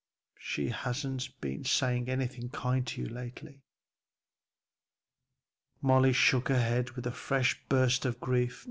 She hadn't been saying anything kind to you?" Molly shook her head with a fresh burst of grief.